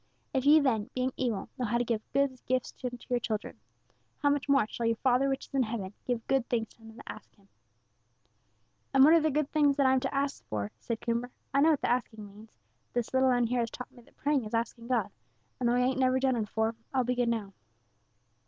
If ye then, being evil, know how to give good gifts unto your children, how much more shall your Father which is in heaven give good things to them that ask Him.'" "And what are the good things that I'm to ask for," said Coomber. "I know what the asking means; this little 'un here has taught me that praying is asking God; and though I ain't never done it afore, I'll begin now."